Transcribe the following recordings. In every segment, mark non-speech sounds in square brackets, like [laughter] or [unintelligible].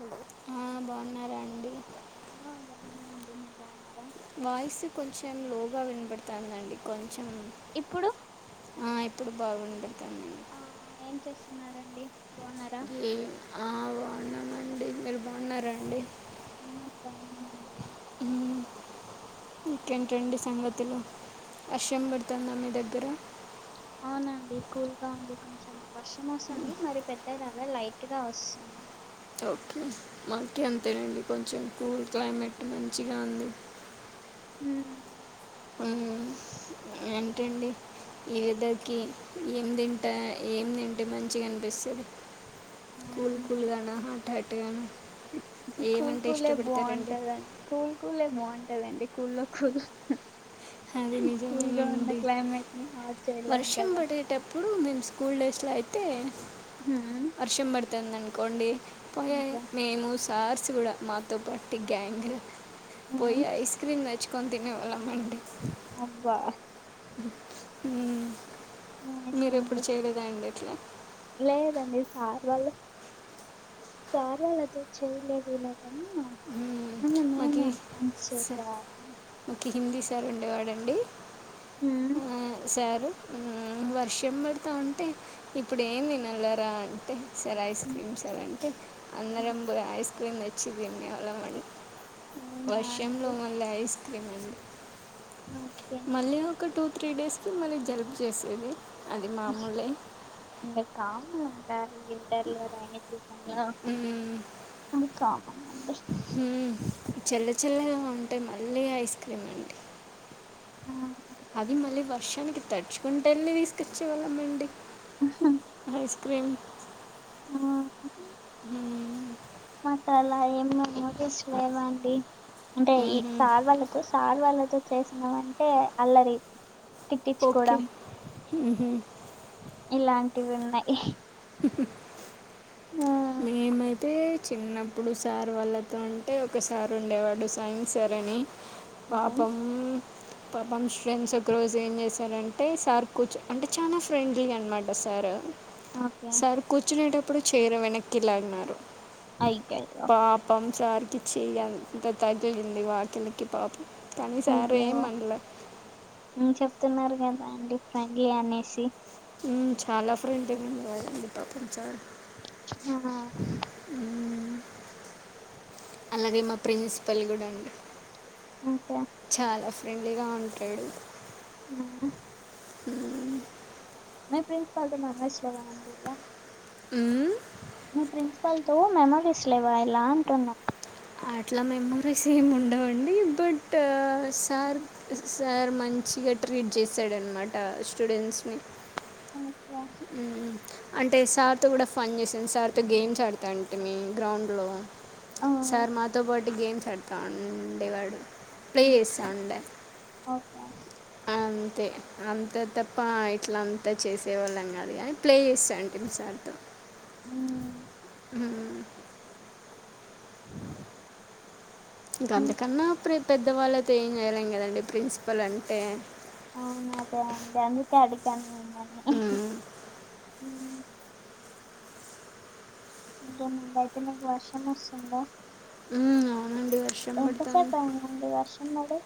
Hello ఆ బాగున్నారాండి ఆ బాగున్నామండి మీరు బాగున్నారా గా వినబడతాదండి కొంచెం ఇప్పుడు ఆ ఇప్పుడు బాగ వినపడతాంది ఆ ఏం చేస్తున్నారు మ్మ్ ఆ బాగున్నామండి మీరు బాగున్నారండి ఆ బాగున్నామండి మ్మ్ ఇంకేంటండి సంగతులు వర్షం పడతుందా మీ దగ్గర అవునండి కూల్గా ఉంది కొంచెం వర్షం వస్తుంది మరి పెద్దగా రా ఇడ లైటేగా వస్తుంది ఓకే మాకి అంతేనండి కొంచెం కూల్ క్లైమేట్ మంచిగా ఉంది అ ఉమ్ మ్మ్ ఏంటండి ఈ వేదర్ కి ఏం తింటా ఏం తింటే మంచిగా అనిపిస్తాది కూల్ అవును కూల్ గానా హాట్ హాట్ గాన కూల్ కూలే ఏ బాగుంటదండి కూల్ కూల్ ఏ బాగుంటదండి కూల్ లో కూల్ లో అది నిజమే అండి ని హాట్ చేయలేం వర్షం కదా పడేటప్పుడు మేము స్కూల్ డైస్ అయితే హ ఉంటుంది అనుకోండి పోయ ఇంకా మేము సార్స్ కూడా మాతో పాటు గ్యాంగ్ ఉమ్, పోయి ఐస్ క్రీమ్ తెచ్చుకొని తినే వాళ్ళం అండి అబ్బా మ్మ్ నైస్ మీరు ఎప్పుడు అండి చేయలేదా అండి అట్లా లేదండి సార్ వాళ్ళ సార్ వాళ్ళుతో చేయలేదు ఇలా మ్మ్ మాకి ఫ్రెండ్స్ ఇస్ చేసేవాళ్ళం మాకి హిందీస్ [unintelligible] వాడండి ఉమ్, మ్మ్ సారు మ్మ్ వర్షం పడతా ఉంటే ఇప్పుడు ఏం తినల్లరా అంటే సరే ఐస్ ఉమ్, క్రీమ్ సార్ అంటే ఉమ్. అందరం ఐస్ క్రీమ్ తెచ్చి తినేవాళ్ళం అండి అవునా వర్షం లో అండి మళ్ళా ఐస్ క్రీమ్ అండి ఓకే మళ్ళీ ఒక టూ త్రీ డేస్కి మళ్ళీ జలుబు చేసేది అది మామూలే ఇంకా కావల్ల ఇంకా వింటర్ లో కాని సీజన్ లో ఇంకా హ్మ్ చల్ల చల్లగా ఉంటే మళ్ళీ ఐస్ క్రీమ్ అండి ఆ అది మళ్ళీ వర్షానికి తడుచుకుంట ఎళ్ళి తీసుకొచ్చేవాళ్ళంమండి ఐస్ ఐస్ క్రిమ్ ఉనా నాకు అలా ఏం [unintelligible] కదా అండి అంటే ఈ సార్ వాళ్ళతో సారు వాళ్ళతో చేసినాం అంటే అల్లరి ఓకే తిట్టించుకోవడం ఉహు ఇలాంటివి ఉన్నాయి హు ఆ, మేమైతే చిన్నప్పుడు సార్ వాళ్లతో ఉంటే ఒకసారి ఉండేవాడు సైన్స్ సార్ అని అవును. పాపం పాపం ఫ్రెండ్స్ ఒక రోజు ఏం చేశారంటే సార్ కూర్చో అంటే చాలా ఫ్రెండ్లీ అనమాట సార్ ఓకే సార్ కూర్చునేటప్పుడు చైర్ వెనక్కిలాగిన్నారు అయ్యయ్యో పాపం సార్ పిచ్చే తాగ జింది వాక నకి పాపి కానీసారు అయ్యో ఏంమనలే స్తున్నారు కదా అండి ఫ్రెండ్లీ అనేసి ఉమ్ చాలా ఫ్రెండ్గా ఉంటాడండి పాపం సార్ ఉ అలాగే మా ప్రిన్సిపల్ కూడా అండి ఇంకా చాలా ఫ్రెండ్లీగా ఉంటాడు అ హ్మ్ మీ ప్రిన్సిపల్ తో మెమోరీస్ లేవా అండి ఇలా ఉమ్ మీ ప్రిన్సిపల్ తో మెమోరీస్ లేవా ఇలా అంటున్నా అట్లా మెమోరీస్ ఏమి ఉండవండి బట్ సార్ సార్ మంచిగా ట్రీట్ చేశాడనమాట ఆ స్టూడెంట్స్ నీ ఓకే ఉమ్ [inaudible] అంటే సార్తో కూడా ఫన్ చేసిాంది సార్తో గేమ్స్ ఆడతాంటే మీ గ్రౌండ్ లో ఆ, సార్ మాతో పాటు గేమ్స్ ఆడతా ఉండేవాడు ప్లే చేస్తా ఓకే ఉండే ఓకే అవును అే అంత తప్ప ఇట్లా అంతా చేసేవాళ్ళం అదే కానీ ప్లే చేస్తా ఉంటే సార్ తో మ్మ్. ఇంక మ్మ్. అంతకన్నాప్పుే పెద్దవాళ్ళయితే ఏం చేయలేం కదండి ప్రిన్సిపల్ అంటే అవును అదే అండి అందుకే అడిగాను మిమ్మల్ని ఉమ్, మ్మ్. ఇంకేముందయితే మీకు వర్షం వస్తుందా ఉమ్ ఆ ఎంతసేపు అయిందండి వర్షం పడి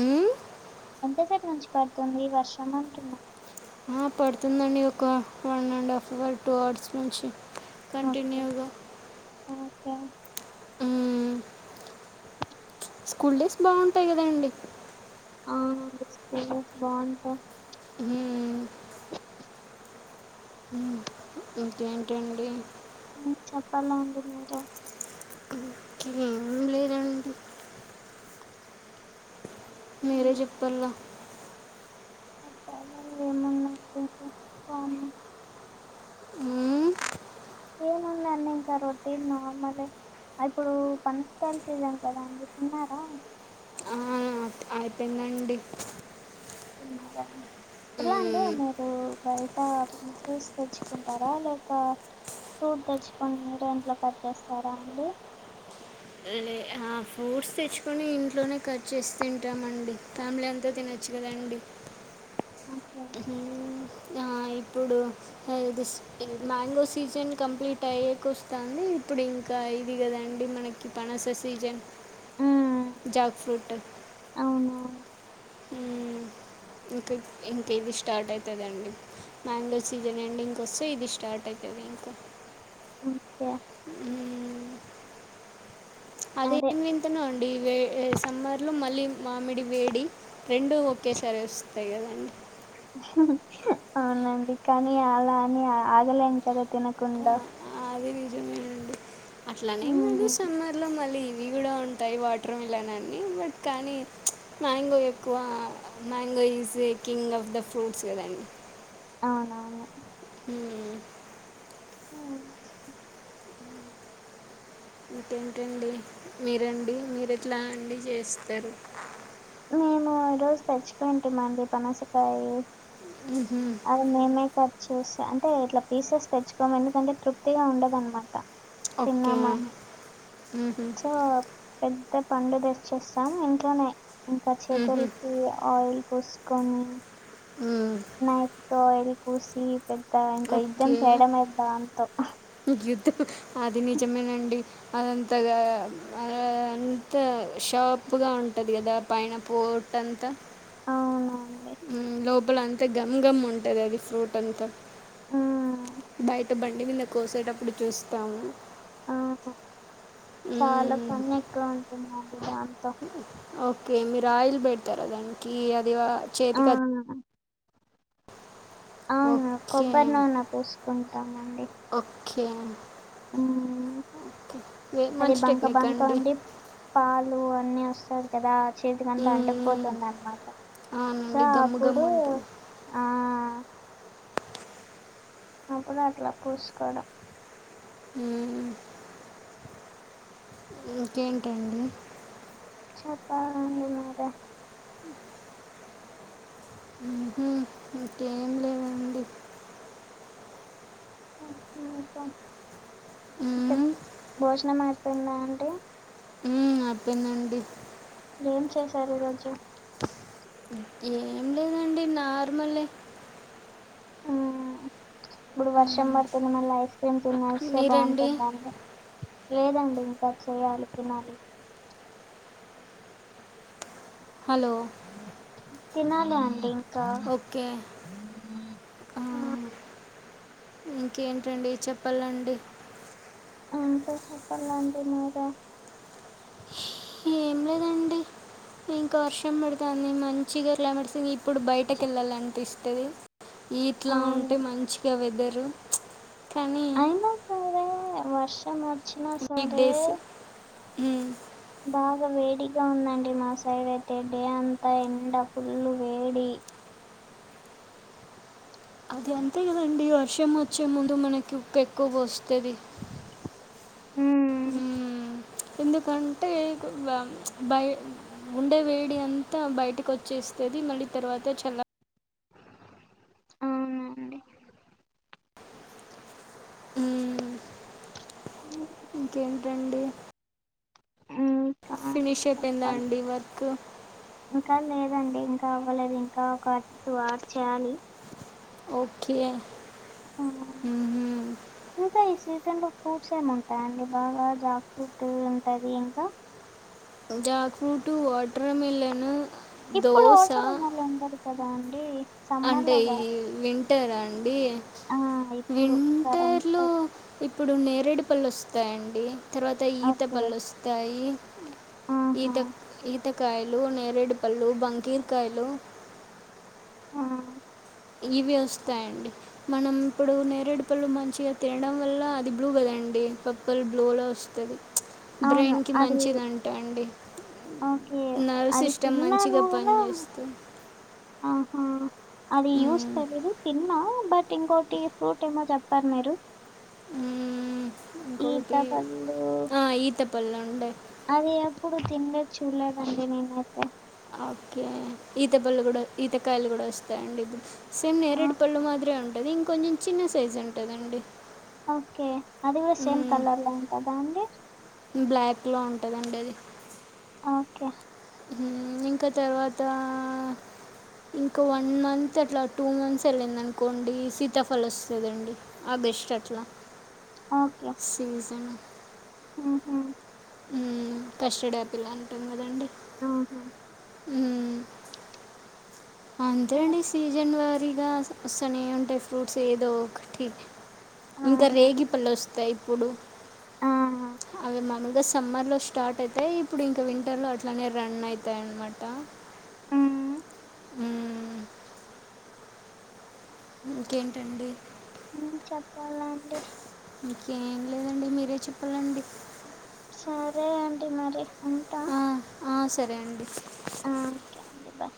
ఉమ్, ఎంతసేపు నుంచి పడుతుంది వర్షం అంటున్నా ఆ పడుతుందండి ఒక one and half hour two hours నుంచి ఓకే కంటిన్యూగా ఓకే ఉమ్ స్కూల్ డేస్ బాగుంటాయి కదాండి ఆ అవునండి స్కూల్ డేస్ బాగుంటాయి ఉమ్ ఇంకేంటండి ఉ చెప్పాలండి మీరే ఇంకా ఏం లేదండి మీరే చెప్పాల కామన్ ఏమున్నాదండి కామన్ ఉమ్ ఏముందండి ఇంకా రొటీన్ నార్మల్ ఏ అప్పుడు పనస కాయలకి వెళ్ళాము కదండీ కదా అండి తిన్నారా ఆ అయిపోయిందండి ఇక ఎట్లా అండి ఉమ్, మీరు బయట ఫ్రూట్స్ తెచ్చుకుంటారా లేక ఫూట్ తెచ్చుకొని మీరే ఇంట్లో కట్ చేస్తారా అండి ఆ ఫూడ్స్ తెచ్చుకొని ఇంట్లోనే కట్ చేసి తింటామండి ఫ్యామిలీ అంతా తిన చ్చు కదా అండి ఓకే ఉ ఆ ఇప్పుడుది మ్యాంగో సీజన్ కంప్లీట్ అయ్యే కూ వస్తుంది ఇప్పుడు ఇంకా ఇది కాదండి మనకి పనస సీజన్ ఉమ్ జాగ్ ఫ్రూట్ అవునవును ఉ ఇంకా ఇంక ఇది స్టార్ట్ అవుతుందండి మ్యాంగో సీజన్ ఎండింగ్ వస్తే ఇది స్టార్ట్ అవుతుంది ఇక ఓకే ఉమ్ అదే అదేమి వింతనో అండి సమ్మర్ లో మళ్ళీ మామిడి వేడి రెండు ఒకేసారి వస్తాయి కదండి అవునండి కానీ అలా అని ఆగలేం కదా తినకుండా అట్లానే కాదు ఉమ్ సమ్మర్లో మళ్ళీ ఇవి కూడా ఉంటాయి వాటర్ మిలన్ అన్ని బట్ కానీ మ్యాంగో ఎక్కువ mango is a king of the fruits కదండి అవునవును అ ఇంకేంటండి మీరండి మీరు ఎట్లా అండి చేస్తారు మేము రోజు తెచ్చుకుంటమండి పనసకాయ అది మేమే కట్ చేసి అంటే ఇట్లా పీసెస్ తెచ్చుకోము ఎందుకంటే తృప్తిగా ఉండదనమాట తిన్నామాని చో పె అ పండు తెచ్చేస్తాం ఇంట్లోనే ఇంకా చేతులకి ఆయిల్ పూసుకుని ఓకే కానీఫ్ తో ఆయిల్ పూసి పెద్ద ఇంకా యుద్ధం ఓకే చేయడమే దానితో యుద్ధం అది నిజమేనండి అదంతగా ఆ ఆ అంత షాప్ ఉప్పుగా ఉంటది కదా పైన పోట అంతా అవునండి లోపల అంతా గమ్ గమ్ ఉంటుంది అది ఫ్రూట్ అంతా ఉమ్ బయట బండి నమీద కోసేటప్పుడు చూస్తాము ఆ చాలా మ్, పని ఎక్కువ ఉంటుంది ఓకే మీరు ఆయిల్ పెడతారా దానికి అది చేతికి అత్- ఉహు అవును ఓకే కొబ్బరి నూనె పూసుకుంటాం అండి ఓకే ఓకే వే- అది మంచి బంక టెక్నిక్ బంక అండి ఉండి పాలు అన్ని వస్తాదీ కదా చేతికి అంతా మ్, అంటకుపోతుంది అన్నమాట సో అవునండి గమ్ము గమ్ అప్పుడు ఉంటుంది ఆ అప్పుడు అట్లా పూసుకోవడం ఉమ్ ఇంకేంటండి చెప్పాలండి మీరే ఉమ్ ఇంకేం లేవండి ఉ అక్కా మ్, భోజనమయిందా? తిన్నా అండి. ఆ తిన్నా అండి ఏం చేశారు ఈరోజు? ఏం లేదండి నార్మలే. మ్మ్. ఇప్పుడు వర్షం మ్, పడుతుంది మళ్ళీ ఐస్ క్రీమ్ తినొస్తే మీరండి బాగుంటుందాండి. లేదండి ఇంకా చేయాలి, తినాలి. హలో! తినాలి అండి ఇంకా ఓకే. ఆ, మ్ ఇంకేంటండి, చెప్పాలండి. ఏంటో చెప్పాలండి మీరే ఏం లేదండి [inaudible] ఇంకా వర్షం పడితే అన్ని మంచిగా లవర్స్కీ ఇప్పుడు బయటకి వెళ్ళాలి అనిపిస్తాది. ఇట్లా అవును ఉంటే మంచిగా వెదరు కానీ వచ్చిన సరే హ్మ్ బాగా వేడిగా ఉందండి. మా సైడ్ అయితే డే అంతా ఎండ ఫుల్ వేడి. [inaudible] అది అంతే కదండి వర్షం వచ్చే ముందు మనకి ఊక్క ఎక్కువ పోస్తాది. మ్ మ్ ఎందుకంటే ప్చ్ ఉండే వేడి అంతా బయటకు వచ్చే స్తాది మళ్ళీ తర్వాత చల్ల అవునండి మ్ [inaudible] ఇంకేంటండి మ్ ఫినిష్ అయిపోయిందా అండి వర్క్. ఇంకా లేదండి ఇంకా అవ్వలేదు ఇంకా ఒక్కట్టు వార్చేయాలి. ఓకే మ్మ్. ఇంకా ఈ సీతండి ఫ్రూట్స్ ఏమి ఉంటాయి అండి బాగా జాక్ ఫ్రుట్ ఉంటాది ఇంకా జాక్ఫ్రూట్, వాటర్ మిలన్ ఇప్పుడు దోశ వాటర్మీలన్న్ ఉండదు కదా అండి సమ్మర్ అంటే లో గా ఈ వింటరా అండి ఏ ఆ ఇప్పుడు కరెంట్ వింటర్లో ఇప్ ఇప్పుడు నేరేడు పళ్ళు వస్తాయండి తర్వాత ఈత ఓకే పళ్ళు వస్తాయి. ఈత ఆహా ఈత కాయలు, నేరేడు పళ్ళు, బంకీర కాయలు. ఆ ఇవి వస్తాయిండి. మనం ఇప్పుడు నేరేడు పళ్ళు మంచిగా తినడం వల్ల అది బ్లూ కదండి గ్రీన్ పర్ప్పల్ బ్లూలో వస్తాది అవును బ్రెయిన్కి అది మంచిదంటండి అండి ఓకే నర్వ్ అది సిస్టమ్ తిన్నా మంచిగా నునా పనిచేస్తుంది ఆహా! అది యూస్ మ్మ్. తెలిదు తిన్నా. బట్ ఇంకోటి ఫ్రూట్ ఏమో చెప్పారు మీరు. మ్మ్. ఇంకొకటి ఈతపళ్ళు ఈత పళ్ళు ఉండే అది ఎప్పుడు తినలేదు చూడలేదండి నేనైతే ఓకే ఈత పళ్ళు కూడా ఈతకాయలు కూడా వస్తాయండి ఇప్పుడు సేమ్ ఆ నేరేడు పళ్ళు మాదిరే ఉంటా అది ఇంకొంచెం చిన్న సైజ్ ఉంటదండి ఓకే అది కూడా సేమ్ కలర్లా ఉంటదా అండి బ్లాక్లో ఉంటదండి అది ఓకే ఇంకా తర్వాత ఇంకా వన్ మంత్ అట్లా టూ మంత్స్ వెళ్ళింది అనుకోండి సీతాఫల్ వస్తదండి బెస్ట్ అట్లా సీజన్ ఆహ కస్టర్డ్ ఆపిల్ అంటాం కదండి ఆహా ఉమ్ సరే అంతేండి సీజన్ వారు ఫ్రీగా వస్తనే ఉంటాయి ఫ్రూట్స్ ఏదో ఒకటి ఇంకా అవునా రేగి పళ్లు వస్ తై ఇప్పుడు ఆహా అవి మాల్గా సమ్మర్లో స్టార్ట్ అవుతాయి ఇప్పుడు ఇంకా వింటర్లో అట్లానే రన్ అయితాయిన్మాట హ్మ్ ఉమ్ ఇంకేంటండి చెప్పాలా అండి ఇంక ఏం లేదండి మీరే చెప్పాలండి సరే అండి మరి ఉంటా ఆ ఆ సరే అండి ఆ ఓకే అండి బాయ్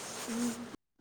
హ